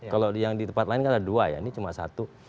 kalau yang di tempat lain kan ada dua ya ini cuma satu